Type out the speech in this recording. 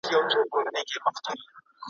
په لیدلو یو د بل نه مړېدلو `